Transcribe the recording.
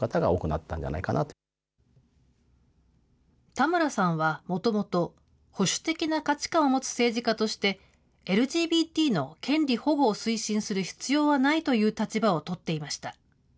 田村さんはもともと、保守的な価値観を持つ政治家として、ＬＧＢＴの権利保護を推進する必要はないという立場を取っていました。